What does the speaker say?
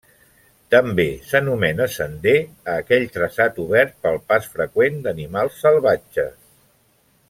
També s'anomena sender a aquell traçat obert pel pas freqüent d'animals salvatges.